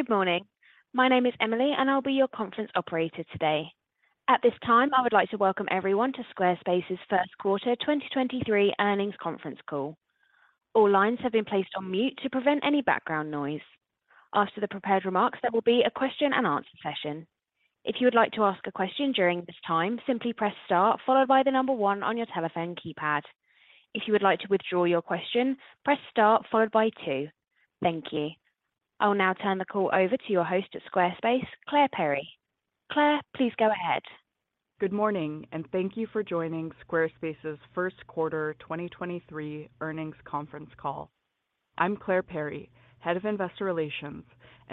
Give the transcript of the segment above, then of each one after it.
Good morning. My name is Emily, and I'll be your conference operator today. At this time, I would like to welcome everyone to Squarespace's 1st quarter 2023 earnings conference call. All lines have been placed on mute to prevent any background noise. After the prepared remarks, there will be a question-and-answer session. If you would like to ask a question during this time, simply press star followed by one on your telephone keypad. If you would like to withdraw your question, press star followed by two. Thank you. I'll now turn the call over to your host at Squarespace, Clare Perry. Clare, please go ahead. Good morning. Thank you for joining Squarespace's first quarter 2023 earnings conference call. I'm Clare Perry, Head of Investor Relations.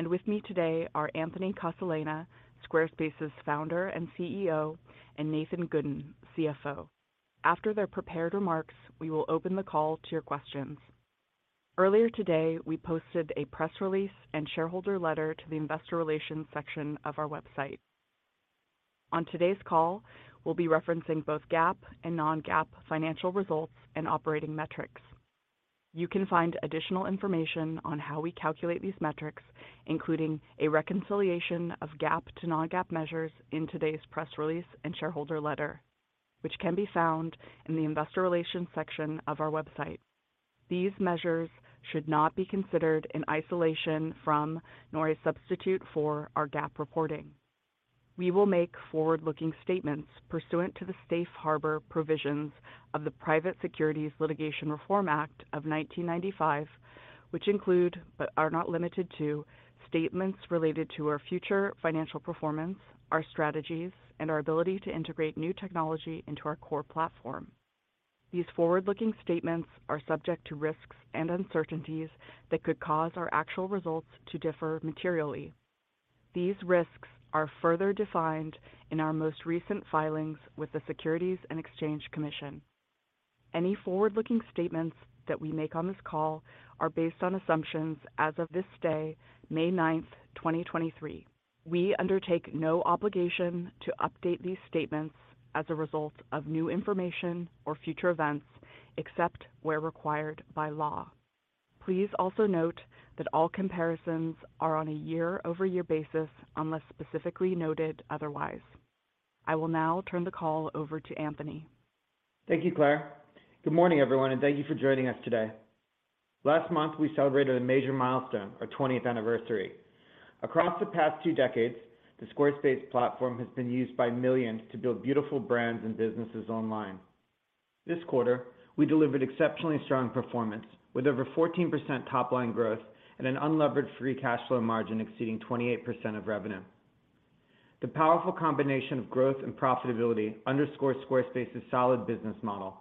With me today are Anthony Casalena, Squarespace's Founder and CEO, and Nathan Gooden, CFO. After their prepared remarks, we will open the call to your questions. Earlier today, we posted a press release and shareholder letter to the investor relations section of our website. On today's call, we'll be referencing both GAAP and non-GAAP financial results and operating metrics. You can find additional information on how we calculate these metrics, including a reconciliation of GAAP to non-GAAP measures in today's press release and shareholder letter, which can be found in the investor relations section of our website. These measures should not be considered in isolation from, nor a substitute for, our GAAP reporting. We will make forward-looking statements pursuant to the Safe Harbor provisions of the Private Securities Litigation Reform Act of 1995, which include, but are not limited to, statements related to our future financial performance, our strategies, and our ability to integrate new technology into our core platform. These forward-looking statements are subject to risks and uncertainties that could cause our actual results to differ materially. These risks are further defined in our most recent filings with the Securities and Exchange Commission. Any forward-looking statements that we make on this call are based on assumptions as of this day, May 9, 2023. We undertake no obligation to update these statements as a result of new information or future events, except where required by law. Please also note that all comparisons are on a year-over-year basis unless specifically noted otherwise. I will now turn the call over to Anthony. Thank you, Clare. Good morning, everyone. Thank you for joining us today. Last month, we celebrated a major milestone, our 20th anniversary. Across the past two decades, the Squarespace platform has been used by millions to build beautiful brands and businesses online. This quarter, we delivered exceptionally strong performance with over 14% top-line growth and an unlevered free cash flow margin exceeding 28% of revenue. The powerful combination of growth and profitability underscores Squarespace's solid business model.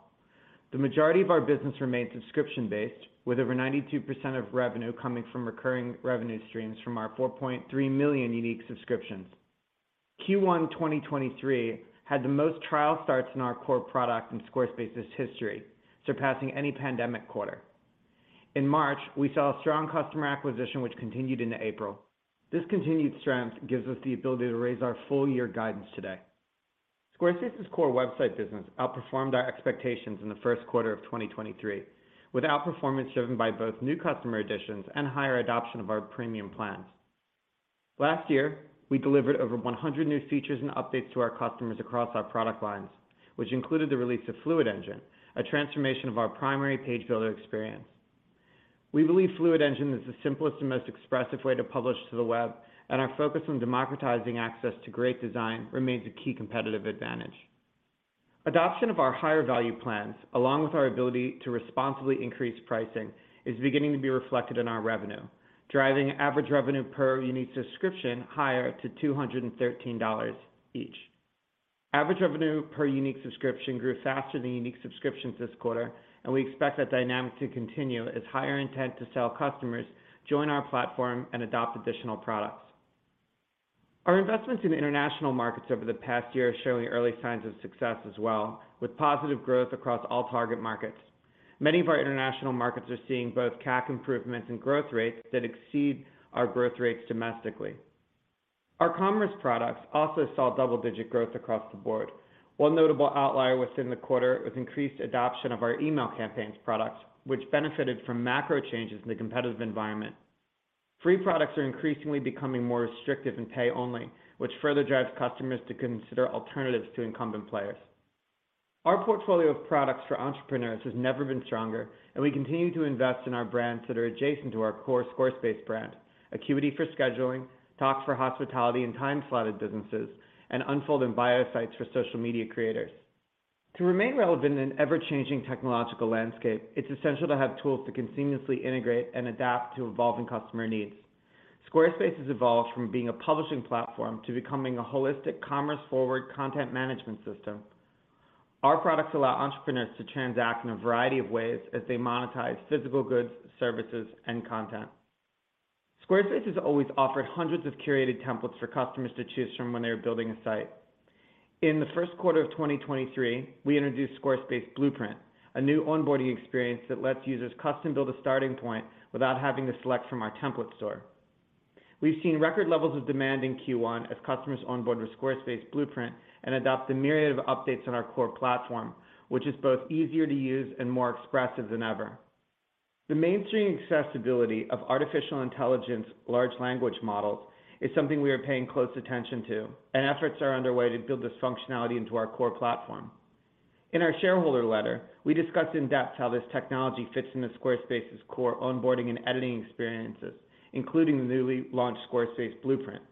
The majority of our business remains subscription-based, with over 92% of revenue coming from recurring revenue streams from our 4.3 million unique subscriptions. Q1 2023 had the most trial starts in our core product in Squarespace's history, surpassing any pandemic quarter. In March, we saw a strong customer acquisition which continued into April. This continued strength gives us the ability to raise our full year guidance today. Squarespace's core website business outperformed our expectations in the first quarter of 2023, with outperformance driven by both new customer additions and higher adoption of our premium plans. Last year, we delivered over 100 new features and updates to our customers across our product lines, which included the release of Fluid Engine, a transformation of our primary page builder experience. We believe Fluid Engine is the simplest and most expressive way to publish to the web, and our focus on democratizing access to great design remains a key competitive advantage. Adoption of our higher value plans, along with our ability to responsibly increase pricing, is beginning to be reflected in our revenue, driving average revenue per unique subscription higher to $213 each. Average Revenue Per Unique Subscription grew faster than unique subscriptions this quarter. We expect that dynamic to continue as higher intent to sell customers join our platform and adopt additional products. Our investments in international markets over the past year are showing early signs of success as well, with positive growth across all target markets. Many of our international markets are seeing both CAC improvements and growth rates that exceed our growth rates domestically. Our commerce products also saw double-digit growth across the board. One notable outlier within the quarter was increased adoption of our Email Campaigns products, which benefited from macro changes in the competitive environment. Free products are increasingly becoming more restrictive and pay only, which further drives customers to consider alternatives to incumbent players. Our portfolio of products for entrepreneurs has never been stronger, and we continue to invest in our brands that are adjacent to our core Squarespace brand. Acuity for scheduling, Tock for hospitality and time-slotted businesses, and Unfold and Bio Sites for social media creators. To remain relevant in an ever-changing technological landscape, it's essential to have tools that can seamlessly integrate and adapt to evolving customer needs. Squarespace has evolved from being a publishing platform to becoming a holistic commerce-forward content management system. Our products allow entrepreneurs to transact in a variety of ways as they monetize physical goods, services, and content. Squarespace has always offered hundreds of curated templates for customers to choose from when they are building a site. In the first quarter of 2023, we introduced Squarespace Blueprint, a new onboarding experience that lets users custom build a starting point without having to select from our template store. We've seen record levels of demand in Q1 as customers onboard with Squarespace Blueprint and adopt a myriad of updates on our core platform, which is both easier to use and more expressive than ever. The mainstream accessibility of artificial intelligence large language models is something we are paying close attention to. Efforts are underway to build this functionality into our core platform. In our shareholder letter, we discussed in depth how this technology fits into Squarespace's core onboarding and editing experiences, including the newly launched Squarespace Blueprint.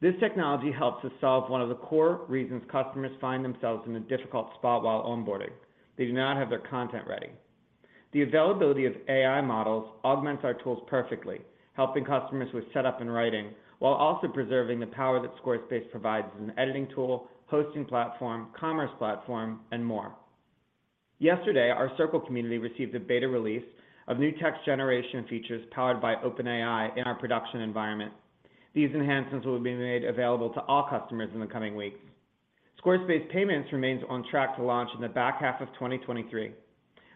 This technology helps us solve one of the core reasons customers find themselves in a difficult spot while onboarding. They do not have their content ready. The availability of AI models augments our tools perfectly, helping customers with setup and writing while also preserving the power that Squarespace provides as an editing tool, hosting platform, commerce platform, and more. Yesterday, our Circle community received a beta release of new text generation features powered by OpenAI in our production environment. These enhancements will be made available to all customers in the coming weeks. Squarespace Payments remains on track to launch in the back half of 2023.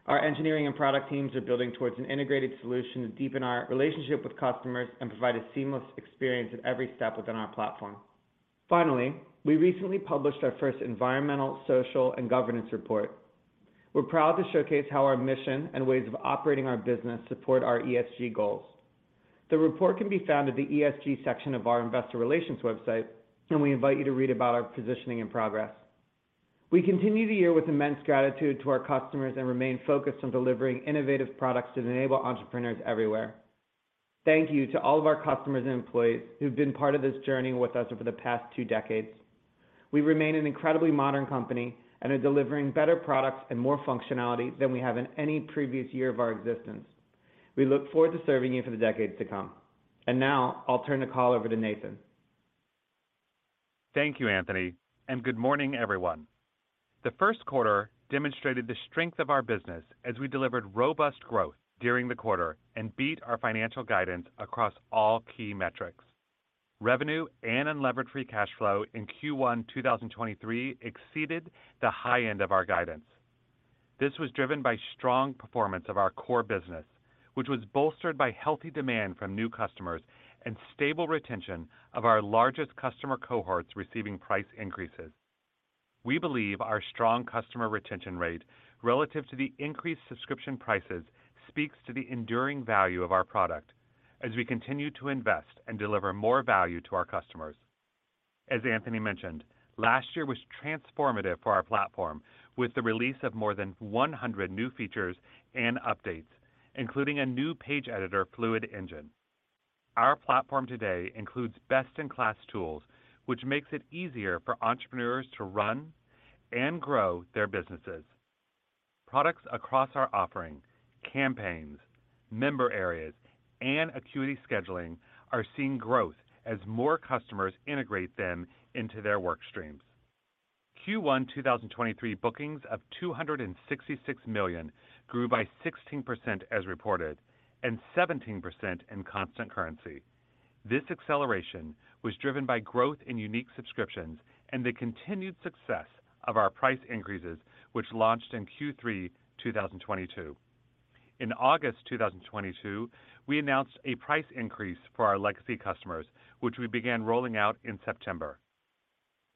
Our engineering and product teams are building towards an integrated solution to deepen our relationship with customers and provide a seamless experience at every step within our platform. We recently published our first environmental, social, and governance report. We're proud to showcase how our mission and ways of operating our business support our ESG goals. The report can be found at the ESG section of our investor relations website. We invite you to read about our positioning and progress. We continue the year with immense gratitude to our customers and remain focused on delivering innovative products that enable entrepreneurs everywhere. Thank you to all of our customers and employees who've been part of this journey with us over the past two decades. We remain an incredibly modern company and are delivering better products and more functionality than we have in any previous year of our existence. We look forward to serving you for the decades to come. Now I'll turn the call over to Nathan. Thank you, Anthony. Good morning, everyone. The first quarter demonstrated the strength of our business as we delivered robust growth during the quarter and beat our financial guidance across all key metrics. Revenue and unlevered free cash flow in Q1 2023 exceeded the high end of our guidance. This was driven by strong performance of our core business, which was bolstered by healthy demand from new customers and stable retention of our largest customer cohorts receiving price increases. We believe our strong customer retention rate relative to the increased subscription prices speaks to the enduring value of our product as we continue to invest and deliver more value to our customers. As Anthony mentioned, last year was transformative for our platform with the release of more than 100 new features and updates, including a new page editor Fluid Engine. Our platform today includes best-in-class tools, which makes it easier for entrepreneurs to run and grow their businesses. Products across our offering, Campaigns, Member Areas, and Acuity Scheduling, are seeing growth as more customers integrate them into their work streams. Q1 2023 bookings of $266 million grew by 16% as reported and 17% in constant currency. This acceleration was driven by growth in unique subscriptions and the continued success of our price increases, which launched in Q3 2022. In August 2022, we announced a price increase for our legacy customers, which we began rolling out in September.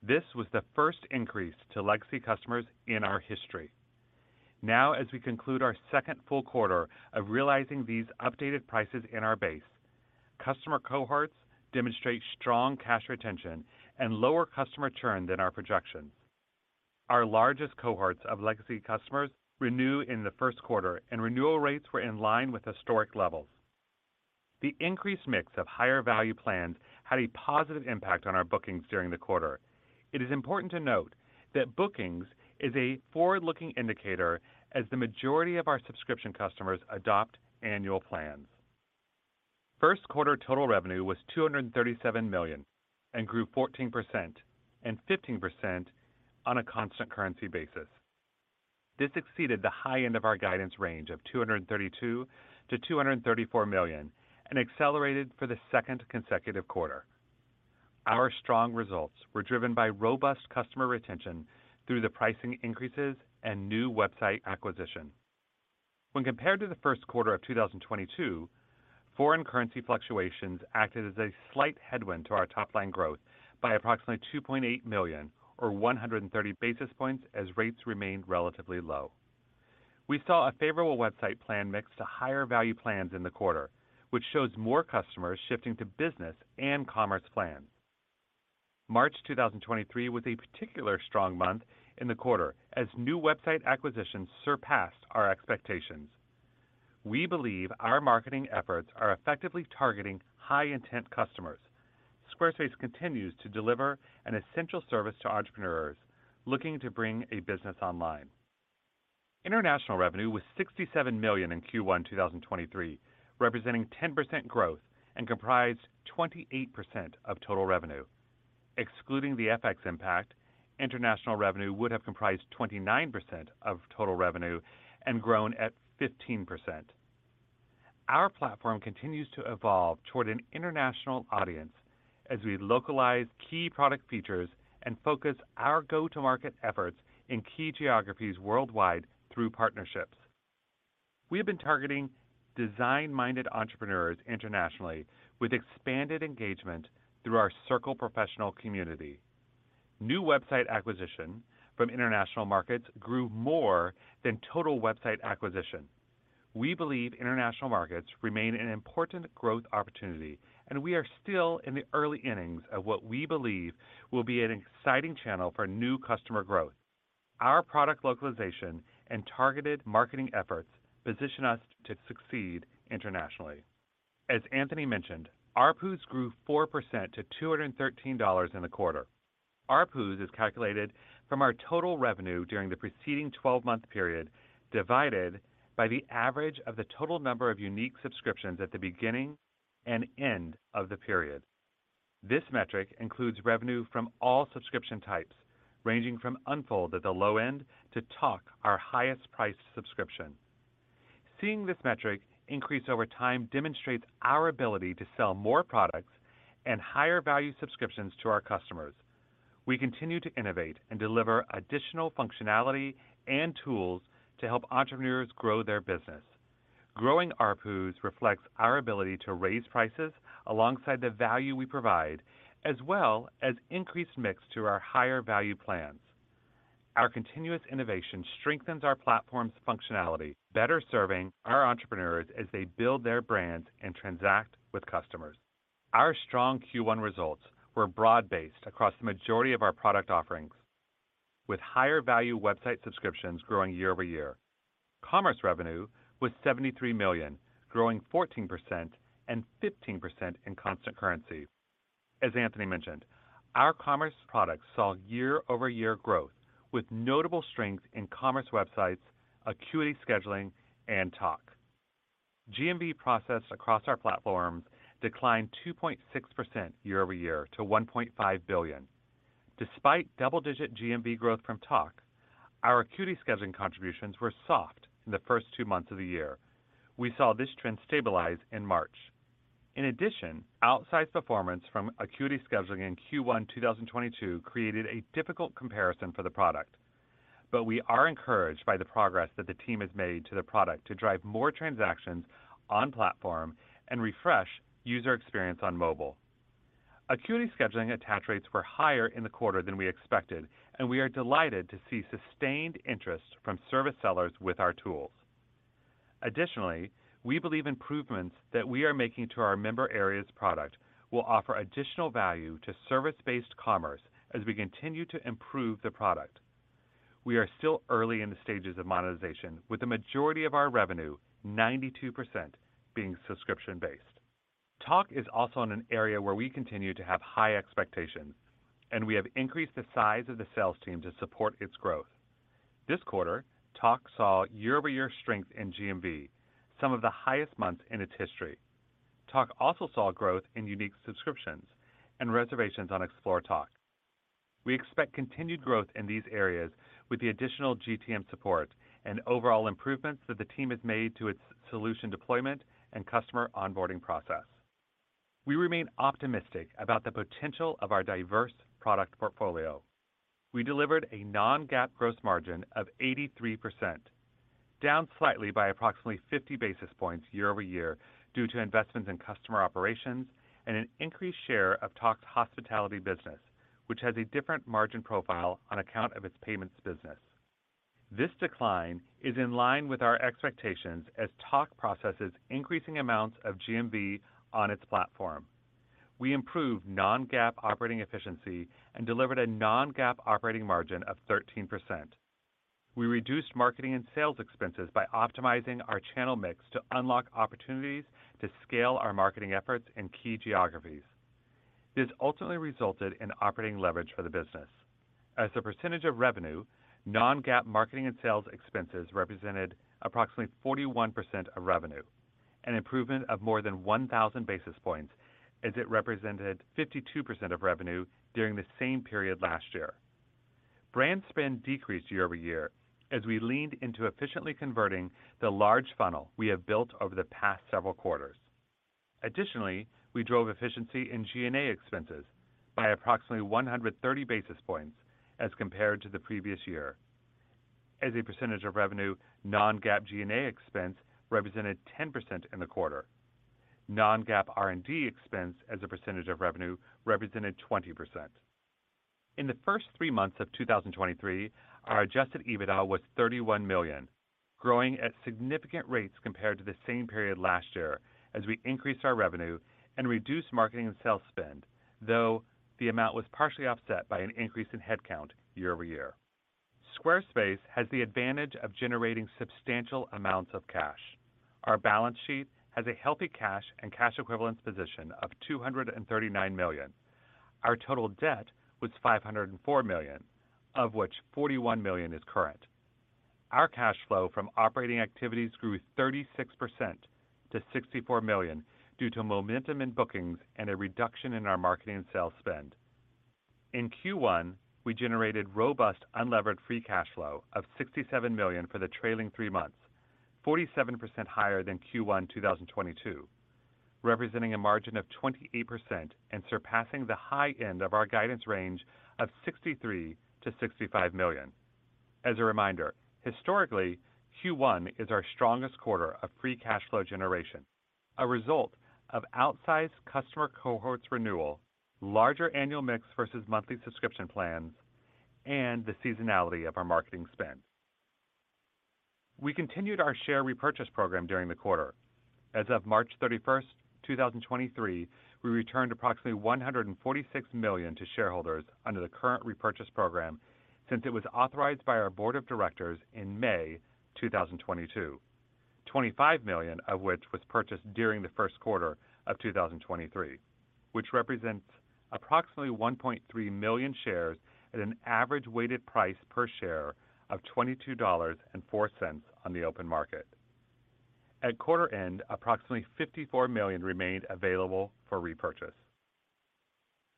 This was the first increase to legacy customers in our history. Now, as we conclude our second full quarter of realizing these updated prices in our base, customer cohorts demonstrate strong cash retention and lower customer churn than our projections. Our largest cohorts of legacy customers renew in the first quarter, and renewal rates were in line with historic levels. The increased mix of higher value plans had a positive impact on our bookings during the quarter. It is important to note that bookings is a forward-looking indicator as the majority of our subscription customers adopt annual plans. First quarter total revenue was $237 million and grew 14% and 15% on a constant currency basis. This exceeded the high end of our guidance range of $232 million-$234 million and accelerated for the second consecutive quarter. Our strong results were driven by robust customer retention through the pricing increases and new website acquisition. When compared to the first quarter of 2022, foreign currency fluctuations acted as a slight headwind to our top-line growth by approximately $2.8 million or 130 basis points as rates remained relatively low. We saw a favorable website plan mix to higher value plans in the quarter, which shows more customers shifting to business and commerce plans. March 2023 was a particular strong month in the quarter as new website acquisitions surpassed our expectations. We believe our marketing efforts are effectively targeting high-intent customers. Squarespace continues to deliver an essential service to entrepreneurs looking to bring a business online. International revenue was $67 million in Q1 2023, representing 10% growth and comprised 28% of total revenue. Excluding the FX impact, international revenue would have comprised 29% of total revenue and grown at 15%. Our platform continues to evolve toward an international audience as we localize key product features and focus our go-to-market efforts in key geographies worldwide through partnerships. We have been targeting design-minded entrepreneurs internationally with expanded engagement through our Circle professional community. New website acquisition from international markets grew more than total website acquisition. We believe international markets remain an important growth opportunity, and we are still in the early innings of what we believe will be an exciting channel for new customer growth. Our product localization and targeted marketing efforts position us to succeed internationally. As Anthony mentioned, ARPU grew 4% to $213 in the quarter. ARPU is calculated from our total revenue during the preceding 12-month period, divided by the average of the total number of unique subscriptions at the beginning and end of the period. This metric includes revenue from all subscription types, ranging from Unfold at the low end to Tock, our highest-priced subscription. Seeing this metric increase over time demonstrates our ability to sell more products and higher-value subscriptions to our customers. We continue to innovate and deliver additional functionality and tools to help entrepreneurs grow their business. Growing ARPUS reflects our ability to raise prices alongside the value we provide, as well as increased mix to our higher-value plans. Our continuous innovation strengthens our platform's functionality, better serving our entrepreneurs as they build their brands and transact with customers. Our strong Q1 results were broad-based across the majority of our product offerings, with higher-value website subscriptions growing year-over-year. Commerce revenue was $73 million, growing 14% and 15% in constant currency. As Anthony mentioned, our Commerce products saw year-over-year growth with notable strength in Commerce websites, Acuity Scheduling, and Tock. GMV processed across our platforms declined 2.6% year-over-year to $1.5 billion. Despite double-digit GMV growth from Tock, our Acuity Scheduling contributions were soft in the first two months of the year. We saw this trend stabilize in March. In addition, outsized performance from Acuity Scheduling in Q1 2022 created a difficult comparison for the product. We are encouraged by the progress that the team has made to the product to drive more transactions on platform and refresh user experience on mobile. Acuity Scheduling attach rates were higher in the quarter than we expected, and we are delighted to see sustained interest from service sellers with our tools. Additionally, we believe improvements that we are making to our Member Areas product will offer additional value to service-based commerce as we continue to improve the product. We are still early in the stages of monetization, with the majority of our revenue, 92%, being subscription-based. Tock is also in an area where we continue to have high expectations. We have increased the size of the sales team to support its growth. This quarter, Tock saw year-over-year strength in GMV, some of the highest months in its history. Tock also saw growth in unique subscriptions and reservations on Explore Tock. We expect continued growth in these areas with the additional GTM support and overall improvements that the team has made to its solution deployment and customer onboarding process. We remain optimistic about the potential of our diverse product portfolio. We delivered a non-GAAP gross margin of 83%, down slightly by approximately 50 basis points year-over-year due to investments in customer operations and an increased share of Tock's hospitality business, which has a different margin profile on account of its payments business. This decline is in line with our expectations as Tock processes increasing amounts of GMV on its platform. We improved non-GAAP operating efficiency and delivered a non-GAAP operating margin of 13%. We reduced marketing and sales expenses by optimizing our channel mix to unlock opportunities to scale our marketing efforts in key geographies. This ultimately resulted in operating leverage for the business. As a percentage of revenue, non-GAAP marketing and sales expenses represented approximately 41% of revenue, an improvement of more than 1,000 basis points, as it represented 52% of revenue during the same period last year. Brand spend decreased year-over-year as we leaned into efficiently converting the large funnel we have built over the past several quarters. We drove efficiency in G&A expenses by approximately 130 basis points as compared to the previous year. As a percentage of revenue, non-GAAP G&A expense represented 10% in the quarter. Non-GAAP R&D expense as a percentage of revenue represented 20%. In the first three months of 2023, our Adjusted EBITDA was $31 million, growing at significant rates compared to the same period last year as we increased our revenue and reduced marketing and sales spend, though the amount was partially offset by an increase in headcount year-over-year. Squarespace has the advantage of generating substantial amounts of cash. Our balance sheet has a healthy cash and cash equivalents position of $239 million. Our total debt was $504 million, of which $41 million is current. Our cash flow from operating activities grew 36% to $64 million due to momentum in bookings and a reduction in our marketing and sales spend. In Q1, we generated robust unlevered free cash flow of $67 million for the trailing 3 months, 47% higher than Q1 2022, representing a margin of 28% and surpassing the high end of our guidance range of $63 million-$65 million. As a reminder, historically, Q1 is our strongest quarter of free cash flow generation, a result of outsized customer cohorts renewal, larger annual mix versus monthly subscription plans, and the seasonality of our marketing spend. We continued our share repurchase program during the quarter. As of March 31st, 2023, we returned approximately $146 million to shareholders under the current repurchase program since it was authorized by our board of directors in May 2022. $25 million of which was purchased during the first quarter of 2023, which represents approximately 1.3 million shares at an average weighted price per share of $22.04 on the open market. At quarter end, approximately $54 million remained available for repurchase.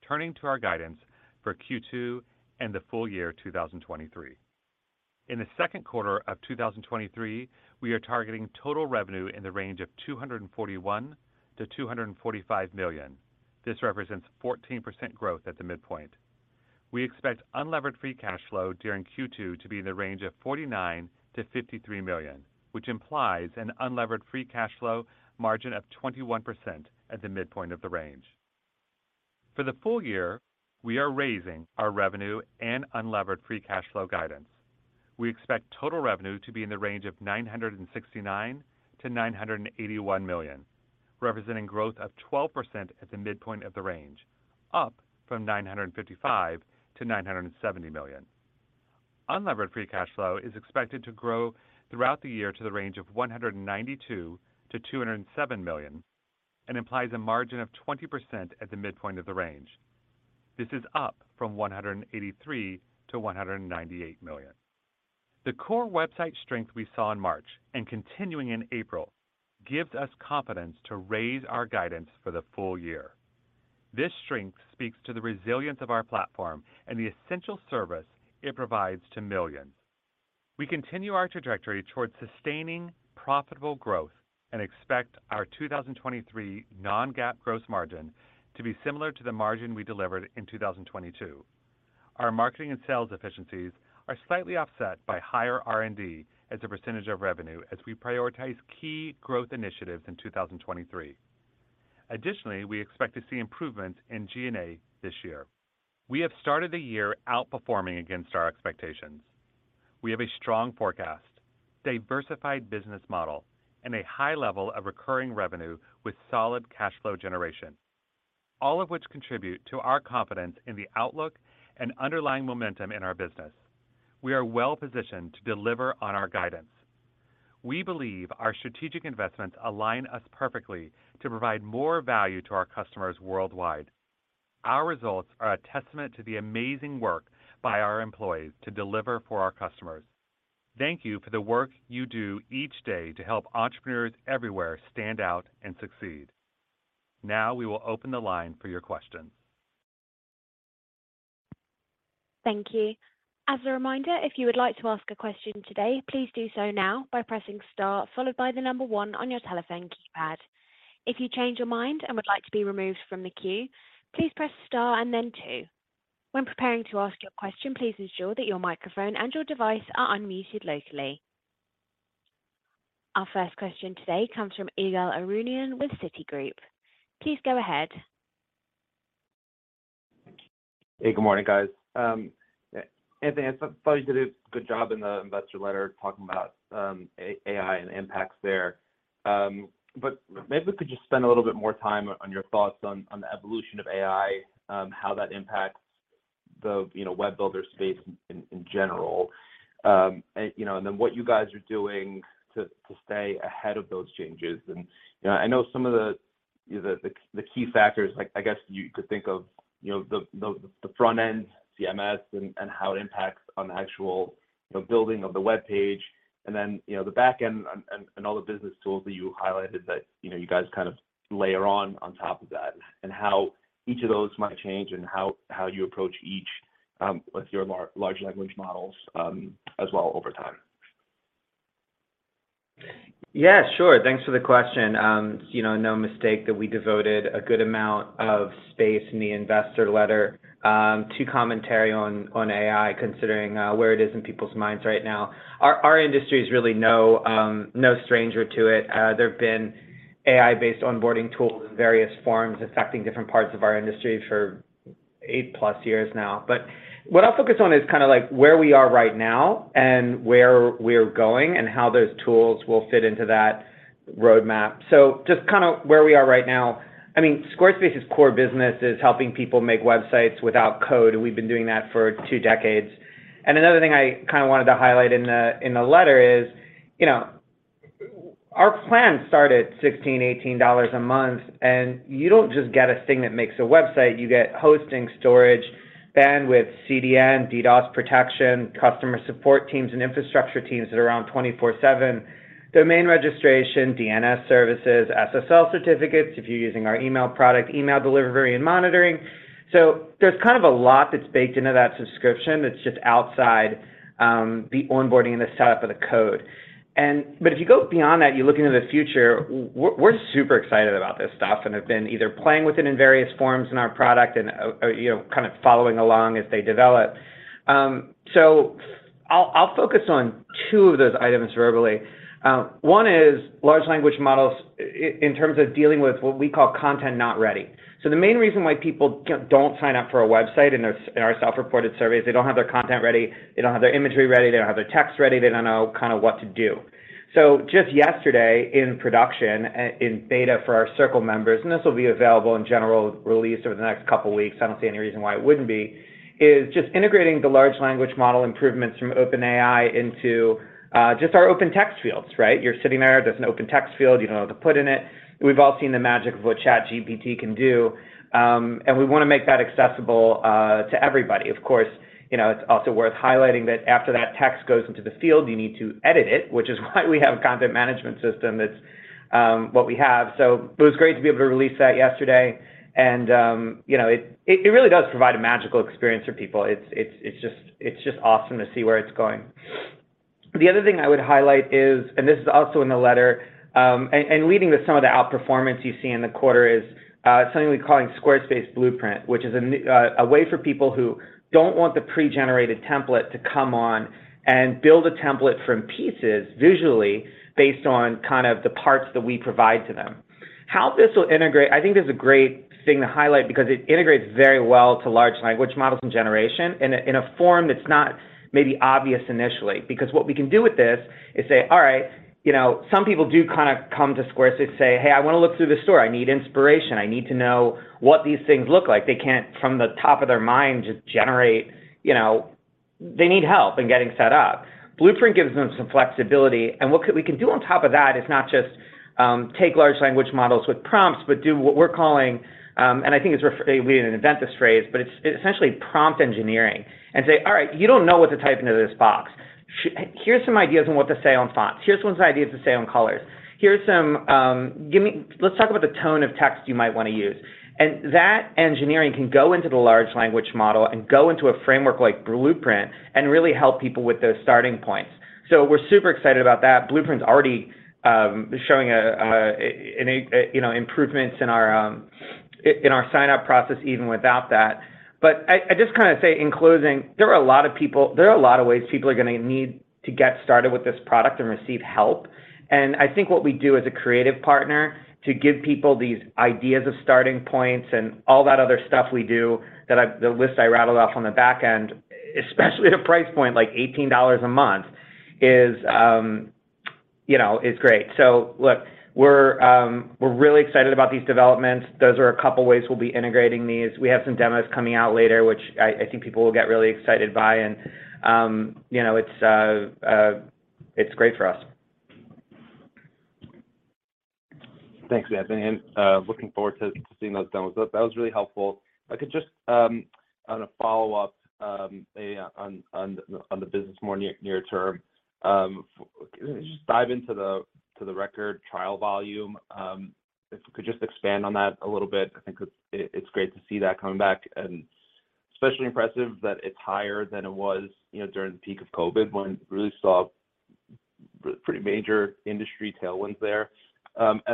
Turning to our guidance for Q2 and the full year 2023. In the second quarter of 2023, we are targeting total revenue in the range of $241 million-$245 million. This represents 14% growth at the midpoint. We expect unlevered free cash flow during Q2 to be in the range of $49 million-$53 million, which implies an unlevered free cash flow margin of 21% at the midpoint of the range. For the full year, we are raising our revenue and unlevered free cash flow guidance. We expect total revenue to be in the range of $969 million-$981 million, representing growth of 12% at the midpoint of the range, up from $955 million-$970 million. Unlevered free cash flow is expected to grow throughout the year to the range of $192 million-$207 million and implies a margin of 20% at the midpoint of the range. This is up from $183 million-$198 million. The core website strength we saw in March and continuing in April gives us confidence to raise our guidance for the full year. This strength speaks to the resilience of our platform and the essential service it provides to millions. We continue our trajectory towards sustaining profitable growth and expect our 2023 non-GAAP gross margin to be similar to the margin we delivered in 2022. Our marketing and sales efficiencies are slightly offset by higher R&D as a percentage of revenue as we prioritize key growth initiatives in 2023. Additionally, we expect to see improvements in G&A this year. We have started the year outperforming against our expectations. We have a strong forecast, diversified business model, and a high level of recurring revenue with solid cash flow generation, all of which contribute to our confidence in the outlook and underlying momentum in our business. We are well-positioned to deliver on our guidance. We believe our strategic investments align us perfectly to provide more value to our customers worldwide. Our results are a testament to the amazing work by our employees to deliver for our customers. Thank you for the work you do each day to help entrepreneurs everywhere stand out and succeed. We will open the line for your questions. Thank you. As a reminder, if you would like to ask a question today, please do so now by pressing star followed by one on your telephone keypad. If you change your mind and would like to be removed from the queue, please press star and then two. When preparing to ask your question, please ensure that your microphone and your device are unmuted locally. Our first question today comes from Ygal Arounian with Citigroup. Please go ahead. Hey, good morning, guys. Anthony, I thought you did a good job in the investor letter talking about AI and the impacts there. Maybe we could just spend a little bit more time on your thoughts on the evolution of AI, how that impacts the web builder space in general. You know, then what you guys are doing to stay ahead of those changes. You know, I know some of the key factors, like, I guess you could think of the front end CMS and how it impacts on the actual, you know, building of the web page, and then the back end and all the business tools that you highlighted that, you guys kind of layer on on top of that, and how each of those might change and how you approach each with your large language models as well over time. Yeah, sure. Thanks for the question. You know, no mistake that we devoted a good amount of space in the investor letter to commentary on AI, considering where it is in people's minds right now. Our industry is really no stranger to it. There have been AI-based onboarding tools in various forms affecting different parts of our industry for 8+ years now. What I'll focus on is kind of like where we are right now and where we're going and how those tools will fit into that roadmap. Just kind of where we are right now. I mean, Squarespace's core business is helping people make websites without code, and we've been doing that for two decades. Another thing I kind of wanted to highlight in the letter is, you know, our plans start at $16, $18 a month, and you don't just get a thing that makes a website. You get hosting, storage, bandwidth, CDN, DDoS protection, customer support teams and infrastructure teams that are on 24/7, domain registration, DNS services, SSL certificates if you're using our email product, email delivery and monitoring. There's kind of a lot that's baked into that subscription that's just outside the onboarding and the setup of the code. If you go beyond that, you look into the future, we're super excited about this stuff and have been either playing with it in various forms in our product and, you know, kind of following along as they develop. I'll focus on two of those items verbally. one is large language models in terms of dealing with what we call content not ready. The main reason why people don't sign up for our website in our, in our self-reported surveys, they don't have their content ready, they don't have their imagery ready, they don't have their text ready, they don't know kinda what to do. Just yesterday in production in beta for our Circle members, and this will be available in general release over the next couple weeks, I don't see any reason why it wouldn't be, is just integrating the large language model improvements from OpenAI into just our open text fields, right? You're sitting there's an open text field, you don't know what to put in it. We've all seen the magic of what ChatGPT can do, and we wanna make that accessible to everybody. Of course, you know, it's also worth highlighting that after that text goes into the field, you need to edit it, which is why we have a content management system. That's what we have. It was great to be able to release that yesterday and, you know, it really does provide a magical experience for people. It's just awesome to see where it's going. The other thing I would highlight is, and this is also in the letter, and leading to some of the outperformance you see in the quarter is something we're calling Squarespace Blueprint, which is a way for people who don't want the pre-generated template to come on and build a template from pieces visually based on kind of the parts that we provide to them. How this will integrate, I think this is a great thing to highlight because it integrates very well to large language models and generation in a form that's not maybe obvious initially. What we can do with this is say, all right, you know, some people do kind of come to Squarespace say, "Hey, I wanna look through the store. I need inspiration. I need to know what these things look like." They can't, from the top of their mind, just generate, you know. They need help in getting set up. Blueprint gives them some flexibility, and what we can do on top of that is not just take large language models with prompts, but do what we're calling, and I think it's we didn't invent this phrase, but it's essentially prompt engineering and say, "All right, you don't know what to type into this box. Here's some ideas on what to say on fonts. Here's some ideas to say on colors. Here's some, Let's talk about the tone of text you might wanna use." That engineering can go into the large language model and go into a framework like Blueprint and really help people with those starting points. We're super excited about that. Blueprint's already showing a, you know, improvements in our in our sign-up process even without that. I just kinda say in closing, there are a lot of ways people are gonna need to get started with this product and receive help, and I think what we do as a creative partner to give people these ideas of starting points and all that other stuff we do that the list I rattled off on the back end, especially at a price point like $18 a month, is, you know, is great. Look, we're really excited about these developments. Those are a couple ways we'll be integrating these. We have some demos coming out later, which I think people will get really excited by and, you know, it's great for us. Thanks, Anthony, looking forward to seeing those demos. That was really helpful. If I could just on a follow-up on the business more near term, just dive into the record trial volume. If you could just expand on that a little bit. I think it's great to see that coming back, and especially impressive that it's higher than it was, you know, during the peak of COVID when we really saw pretty major industry tailwinds there.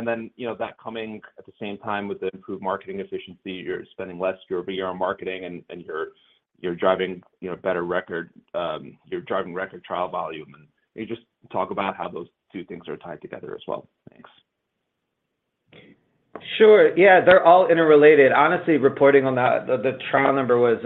Then, you know, that coming at the same time with the improved marketing efficiency, you're spending less year-over-year on marketing and you're driving, you know, better record, you're driving record trial volume. Can you just talk about how those two things are tied together as well? Thanks. Sure. Yeah. They're all interrelated. Honestly, reporting on the trial number was,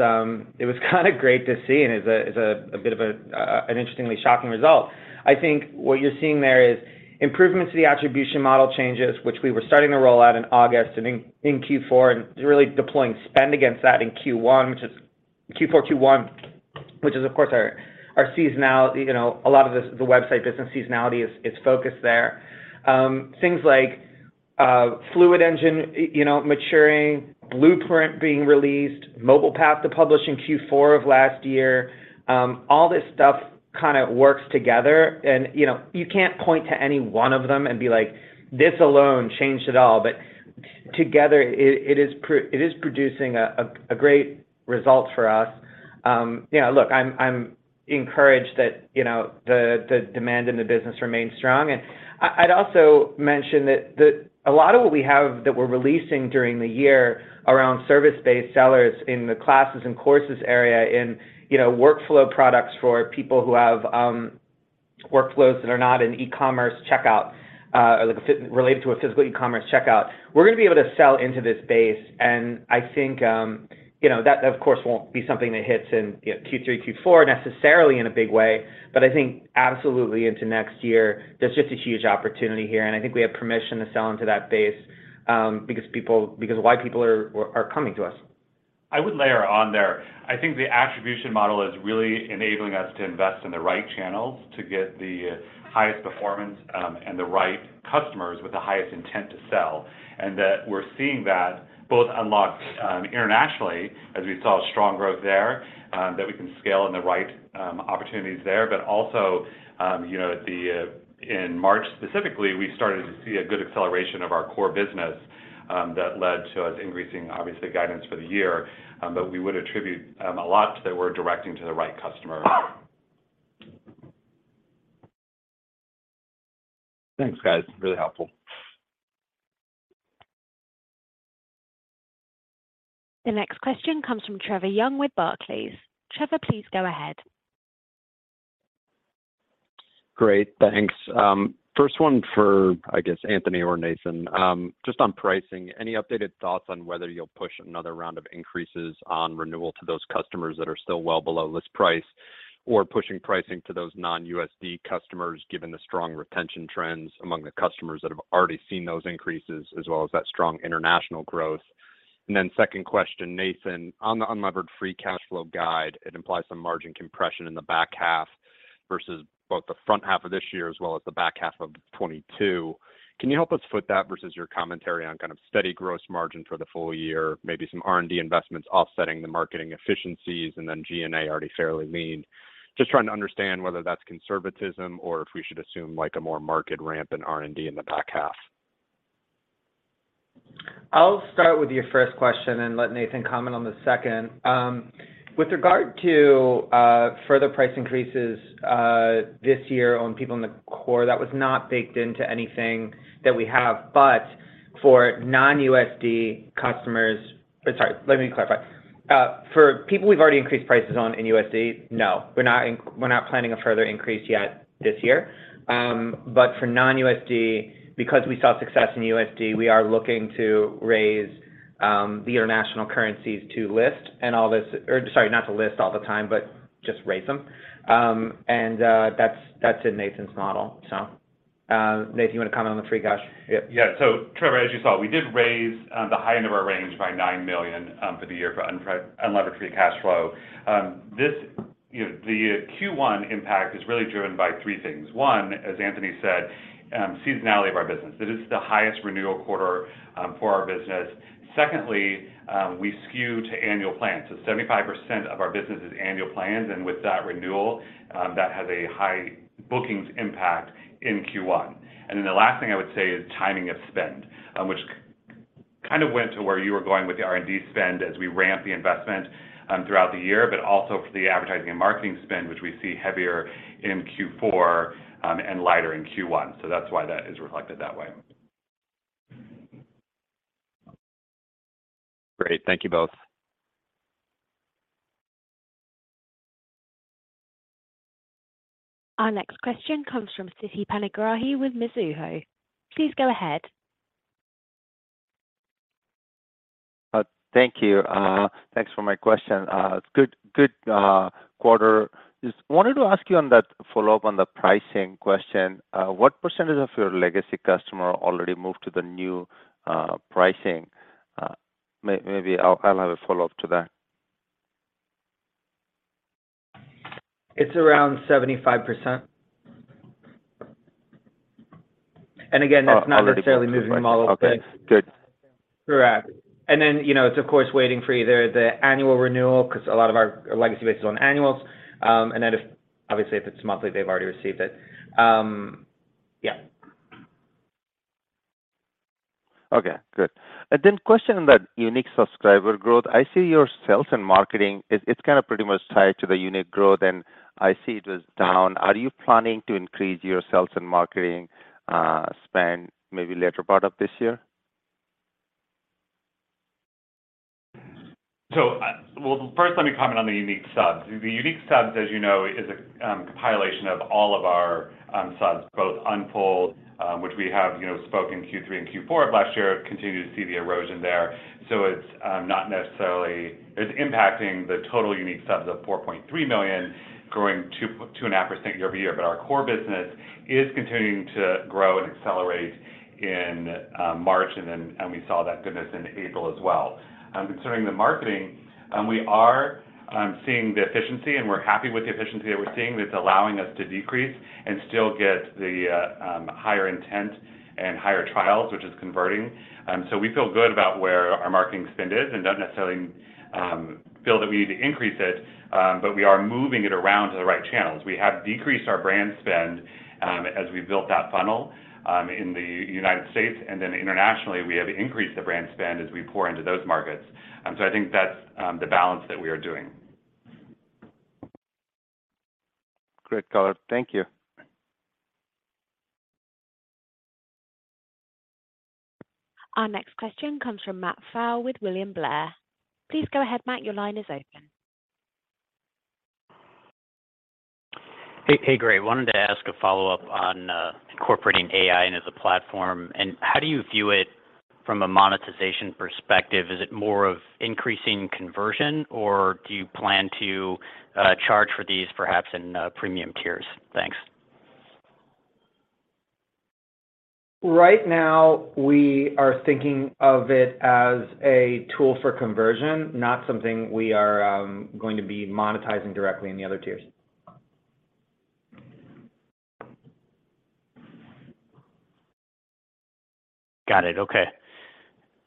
it was kind of great to see and is a bit of an interestingly shocking result. I think what you're seeing there is improvements to the attribution model changes, which we were starting to roll out in August and in Q4, and really deploying spend against that in Q1, which is Q4, Q1, which is, of course, our seasonality. You know, a lot of this, the website business seasonality is focused there. Things like Fluid Engine, you know, maturing, Blueprint being released, Mobile Path to Publish Q4 of last year. All this stuff kind of works together and, you know, you can't point to any one of them and be like, "This alone changed it all." Together, it is producing a great result for us. You know, look, I'm encouraged that, you know, the demand in the business remains strong. I'd also mention that a lot of what we have that we're releasing during the year around service-based sellers in the classes and courses area, in, you know, workflow products for people who have workflows that are not in e-commerce checkout, like, related to a physical e-commerce checkout, we're gonna be able to sell into this base. I think, you know, that, of course, won't be something that hits in, you know, Q3, Q4 necessarily in a big way. I think absolutely into next year, there's just a huge opportunity here, and I think we have permission to sell into that base, because of why people are coming to us. I would layer on there. I think the attribution model is really enabling us to invest in the right channels to get the highest performance, and the right customers with the highest intent to sell. That we're seeing that both unlocked internationally as we saw strong growth there, that we can scale in the right opportunities there. Also, you know, in March specifically, we started to see a good acceleration of our core business that led to us increasing obviously guidance for the year. We would attribute a lot to that we're directing to the right customer. Thanks, guys. Really helpful. The next question comes from Trevor Young with Barclays. Trevor, please go ahead. Great. Thanks. First one for, I guess, Anthony or Nathan. Just on pricing, any updated thoughts on whether you'll push another round of increases on renewal to those customers that are still well below list price or pushing pricing to those non-USD customers, given the strong retention trends among the customers that have already seen those increases, as well as that strong international growth? Second question, Nathan, on the unlevered free cash flow guide, it implies some margin compression in the back half versus both the front half of this year as well as the back half of 2022. Can you help us foot that versus your commentary on kind of steady gross margin for the full year, maybe some R&D investments offsetting the marketing efficiencies, and then G&A already fairly lean. Just trying to understand whether that's conservatism or if we should assume, like, a more market ramp in R&D in the back half? I'll start with your first question and let Nathan comment on the second. With regard to further price increases this year on people in the core, that was not baked into anything that we have. For non-USD customers... Sorry, let me clarify. For people we've already increased prices on in USD, no, we're not planning a further increase yet this year. For non-USD, because we saw success in USD, we are looking to raise the international currencies to list and all this... Sorry, not to list all the time, but just raise them. And that's in Nathan's model. Nathan, you wanna comment on the free cash? Trevor, as you saw, we did raise the high end of our range by $9 million for the year for unlevered free cash flow. This, you know, the Q1 impact is really driven by three things. One, as Anthony said, seasonality of our business. It is the highest renewal quarter for our business. Secondly, we skew to annual plans. 75% of our business is annual plans, and with that renewal, that has a high bookings impact in Q1. The last thing I would say is timing of spend, which kind of went to where you were going with the R&D spend as we ramp the investment throughout the year, but also for the advertising and marketing spend, which we see heavier in Q4 and lighter in Q1. That's why that is reflected that way. Great. Thank you both. Our next question comes from Siti Panigrahi with Mizuho. Please go ahead. Thank you. Thanks for my question. Good quarter. Just wanted to ask you on that follow-up on the pricing question, what percentage of your legacy customer already moved to the new pricing? Maybe I'll have a follow-up to that. It's around 75%. again, that's not Oh, I was gonna- Moving them all. Okay, good. Correct. You know, it's of course waiting for either the annual renewal, 'cause a lot of our legacy base is on annuals. If, obviously, if it's monthly, they've already received it. Yeah. Okay, good. Question on that unique subscriber growth. I see your sales and marketing is, it's kind of pretty much tied to the unique growth, and I see it was down. Are you planning to increase your sales and marketing spend maybe later part of this year? Well, first let me comment on the unique subs. The unique subs, as you know, is a compilation of all of our subs, both Unfold, which we have, you know, spoke in Q3 and Q4 of last year, continue to see the erosion there. It's impacting the total unique subs of $4.3 million growing 2-2.5% year-over-year. Our core business is continuing to grow and accelerate in March, and we saw that goodness in April as well. Concerning the marketing, we are seeing the efficiency, and we're happy with the efficiency that we're seeing that's allowing us to decrease and still get the higher intent and higher trials, which is converting. We feel good about where our marketing spend is and don't necessarily feel that we need to increase it, but we are moving it around to the right channels. We have decreased our brand spend as we built that funnel in the United States. Internationally, we have increased the brand spend as we pour into those markets. I think that's the balance that we are doing. Great color. Thank you. Our next question comes from Matt Pfau with William Blair. Please go ahead, Matt. Your line is open. Hey, great. Wanted to ask a follow-up on incorporating AI into the platform, and how do you view it from a monetization perspective? Is it more of increasing conversion, or do you plan to charge for these perhaps in premium tiers? Thanks. Right now, we are thinking of it as a tool for conversion, not something we are going to be monetizing directly in the other tiers. Got it. Okay.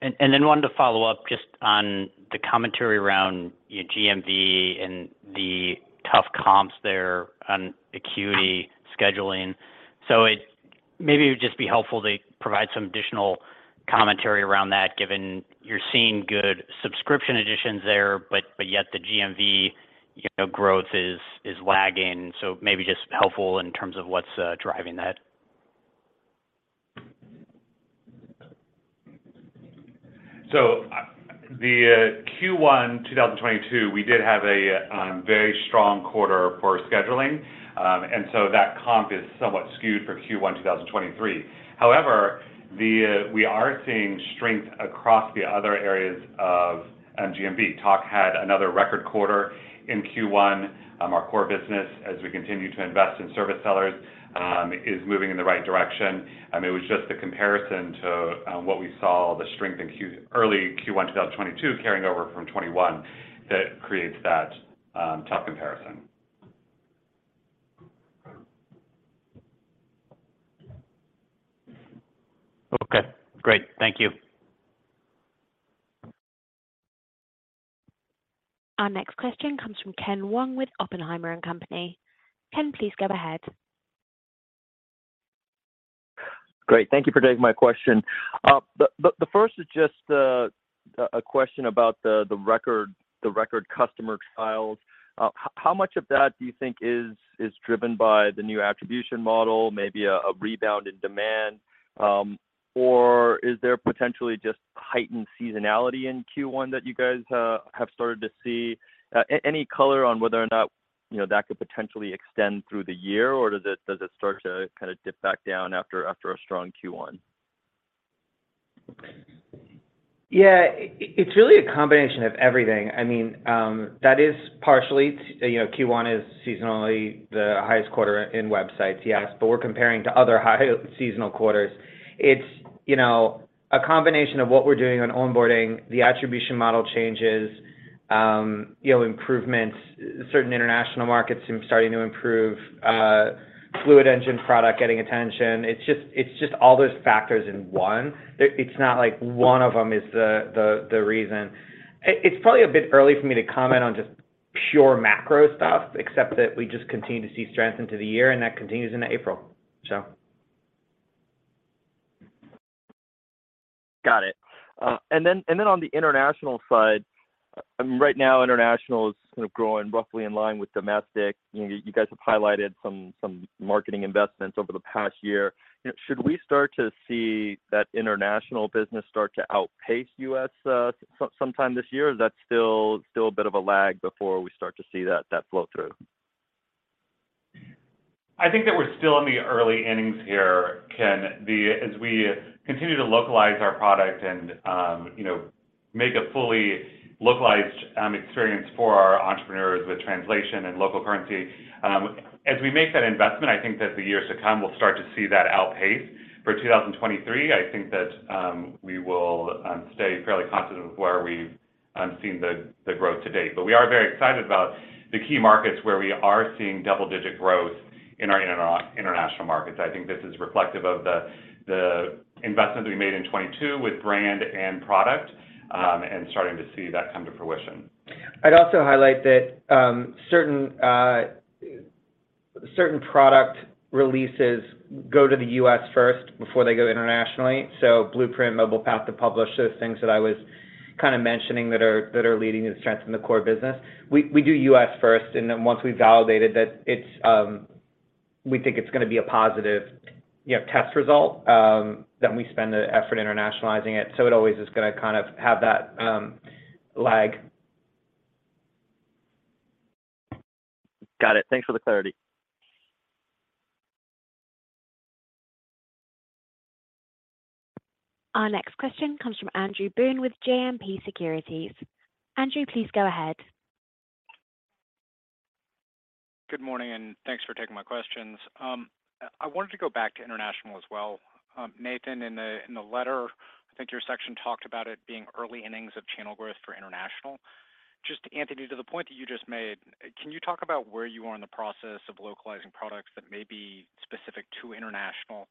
Wanted to follow up just on the commentary around, you know, GMV and the tough comps there on Acuity Scheduling. Maybe it would just be helpful to provide some additional commentary around that, given you're seeing good subscription additions there, but yet the GMV, you know, growth is lagging. Maybe just helpful in terms of what's driving that. The Q1 2022, we did have a very strong quarter for Scheduling. That comp is somewhat skewed for Q1 2023. However, the, we are seeing strength across the other areas of GMV. Tock had another record quarter in Q1. Our core business, as we continue to invest in service sellers, is moving in the right direction. I mean, it was just the comparison to what we saw, the strength in early Q1 2022 carrying over from 2021 that creates that tough comparison. Okay, great. Thank you. Our next question comes from Ken Wong with Oppenheimer and Company. Ken, please go ahead. Great. Thank you for taking my question. The first is just a question about the record customer trials. How much of that do you think is driven by the new attribution model, maybe a rebound in demand, or is there potentially just heightened seasonality in Q1 that you guys have started to see? Any color on whether or not, you know, that could potentially extend through the year, or does it start to kinda dip back down after a strong Q1? Yeah. It's really a combination of everything. I mean, that is partially you know, Q1 is seasonally the highest quarter in websites, yes, but we're comparing to other high seasonal quarters. It's, you know, a combination of what we're doing on onboarding, the attribution model changes, you know, improvements. Certain international markets seem starting to improve, Fluid Engine product getting attention. It's just all those factors in one. It's not like one of them is the reason. It's probably a bit early for me to comment on just pure macro stuff, except that we just continue to see strength into the year and that continues into April. Got it. On the international side, right now, international is kind of growing roughly in line with domestic. You know, you guys have highlighted some marketing investments over the past year. You know, should we start to see that international business start to outpace U.S. sometime this year? Is that still a bit of a lag before we start to see that flow through? I think that we're still in the early innings here, Ken. As we continue to localize our product and, you know, make a fully localized experience for our entrepreneurs with translation and local currency, as we make that investment, I think that the years to come, we'll start to see that outpace. For 2023, I think that we will stay fairly confident with where we've seen the growth to date. We are very excited about the key markets where we are seeing double-digit growth in our international markets. I think this is reflective of the investments we made in 2022 with brand and product, and starting to see that come to fruition. I'd also highlight that certain product releases go to the U.S. first before they go internationally. Blueprint, Mobile Path to Publish, those things that I was kind of mentioning that are leading the strength in the core business. We do U.S. first, and then once we validated that it's, we think it's gonna be a positive, you know, test result, then we spend the effort internationalizing it. It always is gonna kind of have that lag. Got it. Thanks for the clarity. Our next question comes from Andrew Boone with JMP Securities. Andrew, please go ahead. Good morning, and thanks for taking my questions. I wanted to go back to international as well. Nathan, in the, in the letter, I think your section talked about it being early innings of channel growth for international. Just, Anthony, to the point that you just made, can you talk about where you are in the process of localizing products that may be specific to international?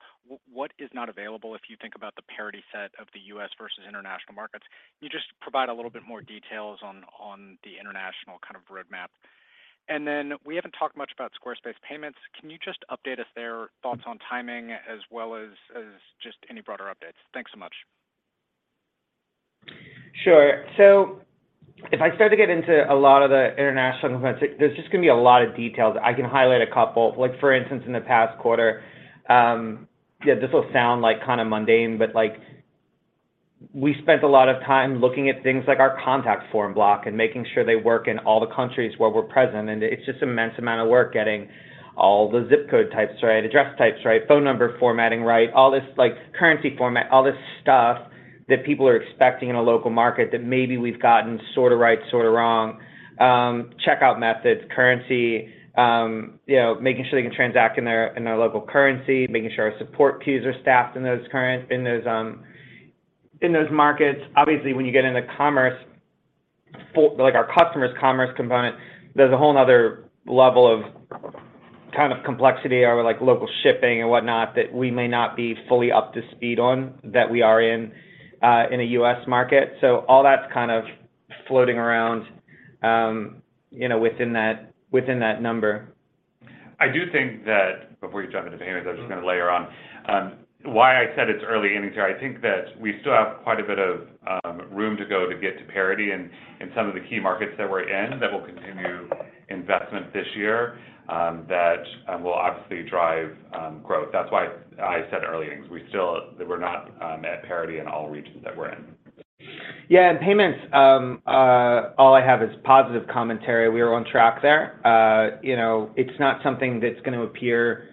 What is not available if you think about the parity set of the U.S. versus international markets? Can you just provide a little bit more details on the international kind of roadmap? Then we haven't talked much about Squarespace Payments. Can you just update us there, thoughts on timing as well as just any broader updates? Thanks so much. Sure. If I start to get into a lot of the international components, there's just going to be a lot of details. I can highlight a couple. Like, for instance, in the past quarter, this will sound like kinda mundane, but, like, we spent a lot of time looking at things like our contact form block and making sure they work in all the countries where we're present. It's just immense amount of work getting all the zip code types right, address types right, phone number formatting right, all this, like, currency format, all this stuff that people are expecting in a local market that maybe we've gotten sorta right, sorta wrong. Checkout methods, currency, you know, making sure they can transact in their local currency, making sure our support queues are staffed in those markets. Obviously, when you get into commerce, for like our customers commerce component, there's a whole another level of kind of complexity around, like, local shipping and whatnot that we may not be fully up to speed on that we are in a U.S. market. All that's kind of floating around, you know, within that, within that number. I do think that, before you jump into payments- Mm-hmm. I'm just gonna layer on why I said it's early innings here. I think that we still have quite a bit of room to go to get to parity in some of the key markets that we're in that will continue investment this year, that will obviously drive growth. That's why I said early innings. We're not at parity in all regions that we're in. Yeah, payments, all I have is positive commentary. We are on track there. You know, it's not something that's gonna appear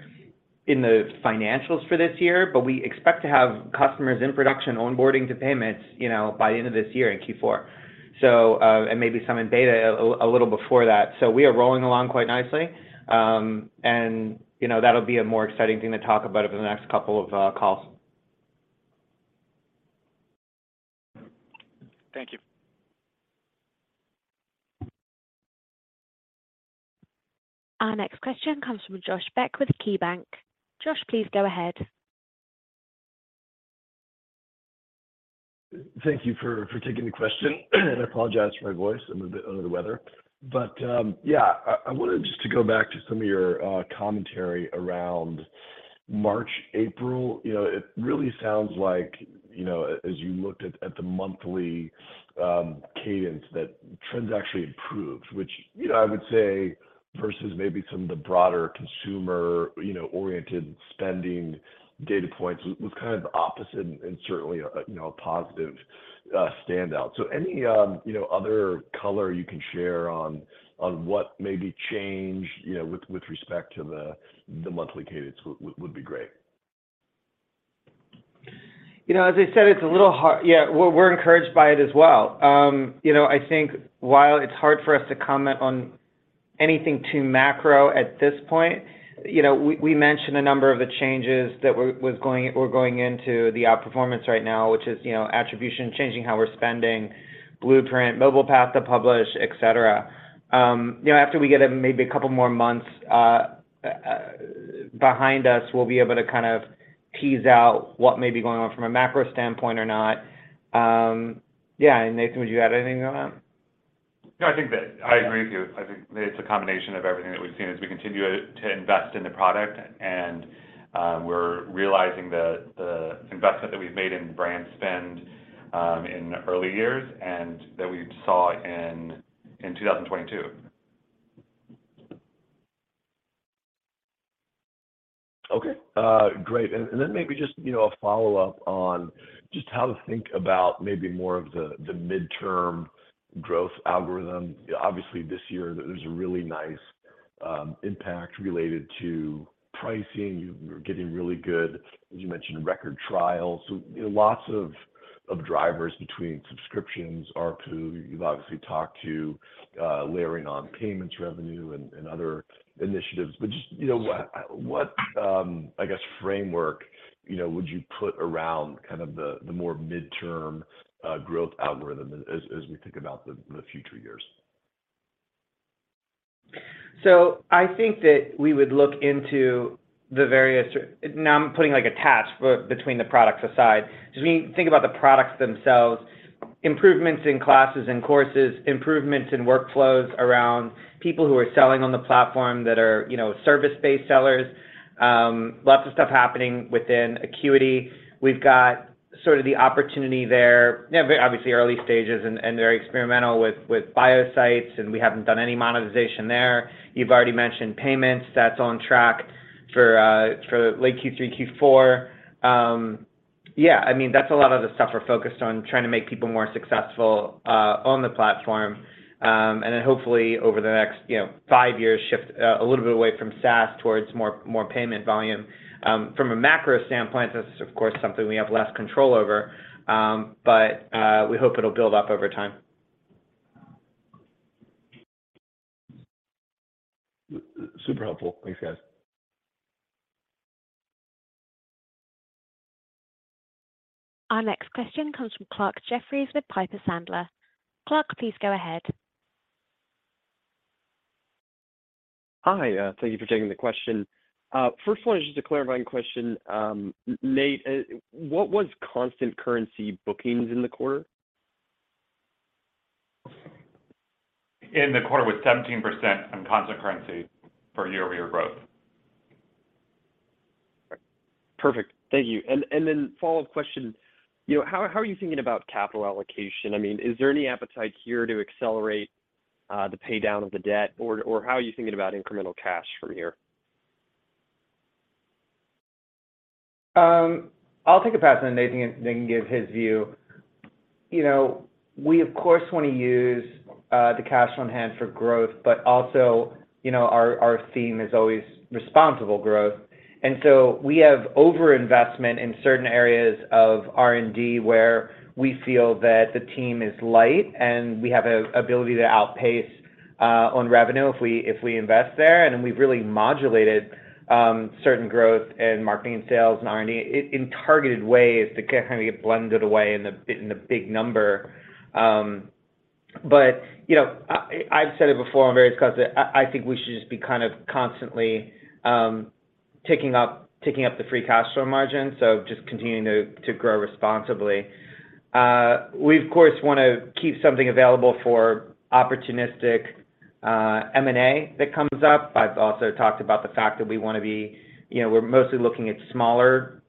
in the financials for this year, but we expect to have customers in production onboarding to payments, you know, by the end of this year in Q4. Maybe some in beta a little before that. We are rolling along quite nicely. You know, that'll be a more exciting thing to talk about over the next couple of calls. Thank you. Our next question comes from Josh Beck with KeyBanc. Josh, please go ahead. Thank you for taking the question. I apologize for my voice. I'm a bit under the weather. Yeah, I wanted just to go back to some of your commentary around March, April. You know, it really sounds like, as you looked at the monthly cadence that trends actually improved, which, you know, I would say versus maybe some of the broader consumer oriented spending data points was kind of opposite and certainly a positive standout. Any other color you can share on what maybe changed with respect to the monthly cadence would be great. You know, as I said, it's a little hard. Yeah. We're encouraged by it as well. You know, I think while it's hard for us to comment on anything too macro at this point, you know, we mentioned a number of the changes that were going into the outperformance right now, which is, you know, attribution, changing how we're spending, blueprint, Mobile Path to Publish, et cetera. You know, after we get a maybe a couple more months behind us, we'll be able to kind of tease out what may be going on from a macro standpoint or not. Yeah, Nathan, would you add anything to that? No, I think that I agree with you. I think it's a combination of everything that we've seen as we continue to invest in the product and we're realizing the investment that we've made in brand spend in early years and that we saw in 2022. Okay. great. Then maybe just, you know, a follow-up on just how to think about maybe more of the more midterm growth algorithm. Obviously, this year, there's a really nice impact related to pricing. You're getting really good, as you mentioned, record trials. You know, lots of drivers between subscriptions, ARPU, you've obviously talked to layering on payments revenue and other initiatives. Just, you know, what, I guess, framework, you know, would you put around kind of the more midterm growth algorithm as we think about the future years? I think that we would look into the various. Now I'm putting a task between the products aside. As we think about the products themselves, improvements in classes and courses, improvements in workflows around people who are selling on the platform that are, you know, service-based sellers, lots of stuff happening within Acuity. We've got sort of the opportunity there. You know, obviously early stages and very experimental with Bio Sites, and we haven't done any monetization there. You've already mentioned Squarespace Payments. That's on track for late Q3, Q4. Yeah, I mean, that's a lot of the stuff we're focused on, trying to make people more successful on the platform. Hopefully over the next, you know, five years, shift a little bit away from SaaS towards more payment volume. From a macro standpoint, that's of course something we have less control over, but we hope it'll build up over time. Super helpful. Thanks, guys. Our next question comes from Clarke Jeffries with Piper Sandler. Clark, please go ahead. Hi. Thank you for taking the question. First one is just a clarifying question. Nate, what was constant currency bookings in the quarter? In the quarter was 17% on constant currency for year-over-year growth. Perfect. Thank you. Follow-up question. You know, how are you thinking about capital allocation? I mean, is there any appetite here to accelerate the pay down of the debt, or how are you thinking about incremental cash from here? I'll take a pass, and Nathan can give his view. You know, we, of course, wanna use the cash on hand for growth, but also, you know, our theme is always responsible growth. We have over-investment in certain areas of R&D where we feel that the team is light, and we have a ability to outpace on revenue if we invest there. Then we've really modulated certain growth in marketing and sales and R&D in targeted ways to kinda get blended away in the big number. You know, I've said it before on various calls that I think we should just be kind of constantly ticking up the free cash flow margin, so just continuing to grow responsibly. We, of course, wanna keep something available for opportunistic M&A that comes up. I've also talked about the fact that we wanna be, you know, we're mostly looking at smaller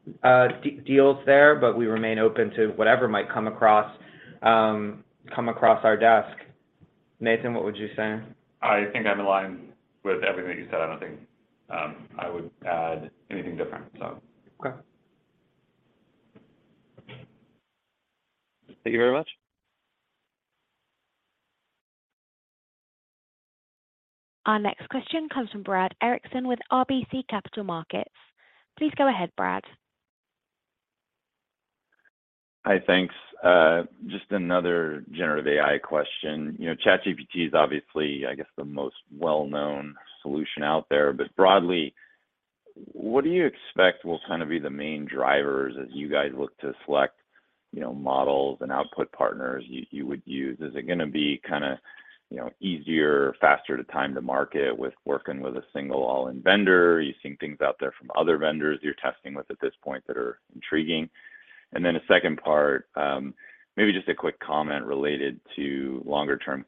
deals there, but we remain open to whatever might come across our desk. Nathan, what would you say? I think I'm in line with everything you said. I don't think I would add anything different. Okay. Thank you very much. Our next question comes from Brad Erickson with RBC Capital Markets. Please go ahead, Brad. Hi, thanks. Just another generative AI question. You know, ChatGPT is obviously, I guess, the most well-known solution out there. Broadly, what do you expect will kind of be the main drivers as you guys look to select, you know, models and output partners you would use? Is it gonna be kinda, you know, easier or faster to time to market with working with a single all-in vendor? Are you seeing things out there from other vendors you're testing with at this point that are intriguing? A second part, maybe just a quick comment related to longer term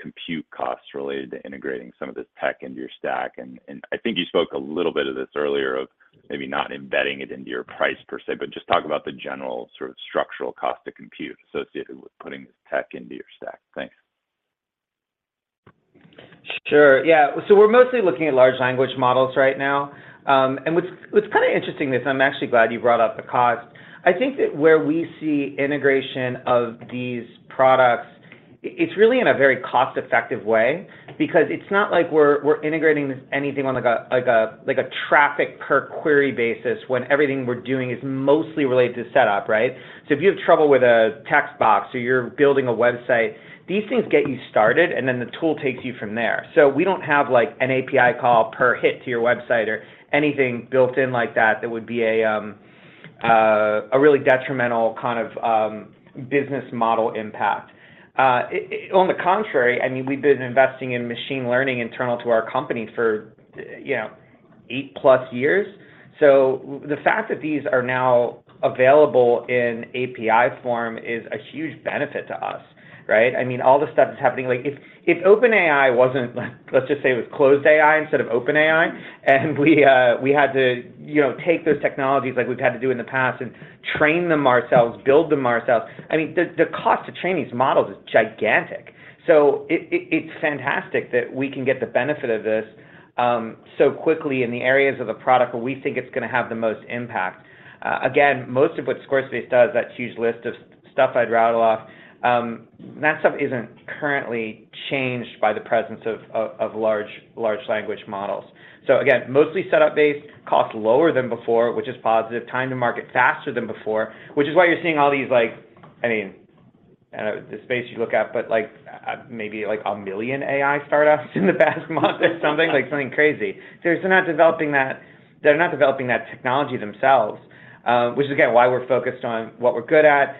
compute costs related to integrating some of this tech into your stack. I think you spoke a little bit of this earlier of maybe not embedding it into your price per se, but just talk about the general sort of structural cost to compute associated with putting this tech into your stack. Thanks. Sure. Yeah. We're mostly looking at large language models right now. And what's kind of interesting is I'm actually glad you brought up the cost. I think that where we see integration of these products, it's really in a very cost-effective way because it's not like we're integrating this anything on a traffic per query basis when everything we're doing is mostly related to setup, right? If you have trouble with a text box or you're building a website, these things get you started, and then the tool takes you from there. We don't have, like, an API call per hit to your website or anything built in like that that would be a really detrimental kind of business model impact. On the contrary, I mean, we've been investing in machine learning internal to our company for, you know, 8+ years. The fact that these are now available in API form is a huge benefit to us, right? I mean, all the stuff that's happening, like if OpenAI wasn't... Like, let's just say it was closed AI instead of OpenAI, we had to, you know, take those technologies like we've had to do in the past and train them ourselves, build them ourselves. I mean, the cost to train these models is gigantic. It's fantastic that we can get the benefit of this so quickly in the areas of the product where we think it's gonna have the most impact. Again, most of what Squarespace does, that huge list of stuff I'd rattle off, that stuff isn't currently changed by the presence of large language models. Again, mostly setup-based, cost lower than before, which is positive, time to market faster than before, which is why you're seeing all these, like, I mean, I don't know the space you look at, but, like, maybe 1 million AI startups in the past month or something, like something crazy. They're still not developing that technology themselves, which is again, why we're focused on what we're good at,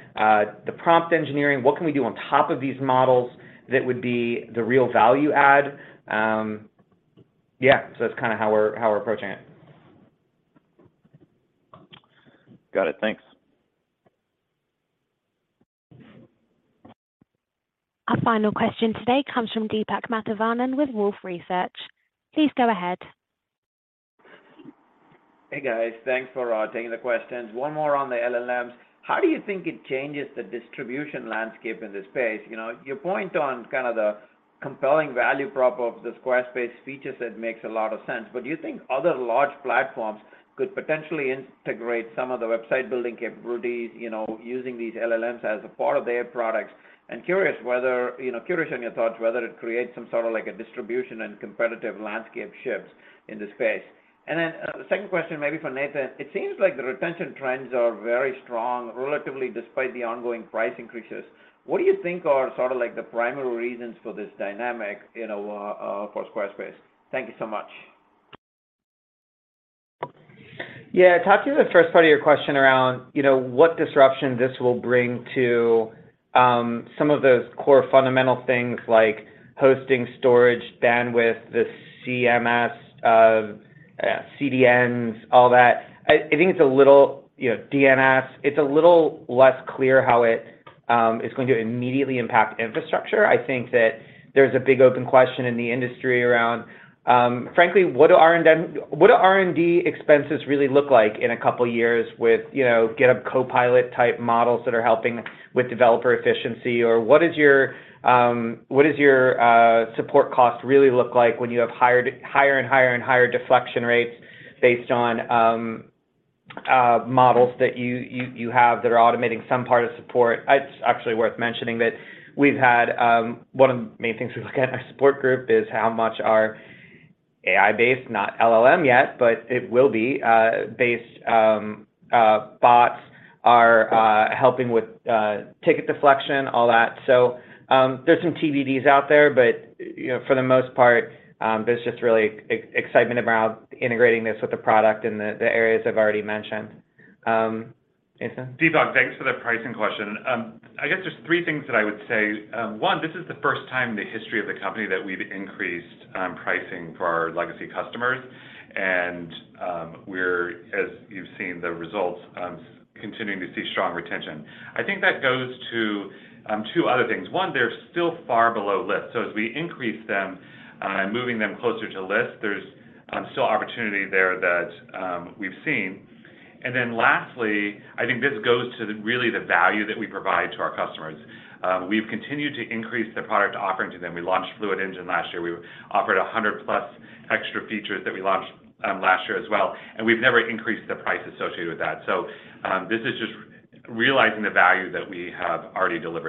the prompt engineering, what can we do on top of these models that would be the real value add. Yeah, that's kinda how we're approaching it. Got it. Thanks. Our final question today comes from Deepak Mathivanan with Wolfe Research. Please go ahead. Hey, guys. Thanks for taking the questions. One more on the LLMs. How do you think it changes the distribution landscape in this space? You know, your point on kind of the compelling value prop of the Squarespace features, it makes a lot of sense. Do you think other large platforms could potentially integrate some of the website building capabilities, you know, using these LLMs as a part of their products? Curious whether, you know, curious on your thoughts whether it creates some sort of like a distribution and competitive landscape shifts in the space? The second question maybe for Nathan. It seems like the retention trends are very strong relatively despite the ongoing price increases. What do you think are sort of like the primary reasons for this dynamic, you know, for Squarespace? Thank you so much. To talk to the first part of your question around, you know, what disruption this will bring to some of the core fundamental things like hosting, storage, bandwidth, the CMS, CDNs, all that. I think it's a little, you know, DNS. It's a little less clear how it is going to immediately impact infrastructure. I think that there's a big open question in the industry around, frankly, what do R&D expenses really look like in a couple of years with, you know, GitHub Copilot-type models that are helping with developer efficiency? What is your support cost really look like when you have higher and higher and higher deflection rates based on models that you have that are automating some part of support? One of the main things we look at in our support group is how much our AI-based, not LLM yet, but it will be, based, bots are helping with ticket deflection, all that. There's some TBDs out there. You know, for the most part, there's just really excitement about integrating this with the product in the areas I've already mentioned. Nathan. Deepak, thanks for the pricing question. I guess there's three things that I would say. One, this is the first time in the history of the company that we've increased pricing for our legacy customers. We're, as you've seen the results, continuing to see strong retention. I think that goes to two other things. One, they're still far below list. As we increase them, moving them closer to list, there's still opportunity there that we've seen. Lastly, I think this goes to the really the value that we provide to our customers. We've continued to increase the product offering to them. We launched Fluid Engine last year. We offered 100 plus extra features that we launched last year as well, and we've never increased the price associated with that. This is just realizing the value that we have already delivered.